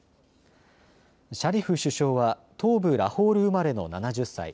シャリフ首相は東部ラホール生まれの７０歳。